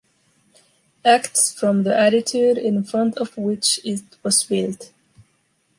Acts from the attitude in front of which it was built.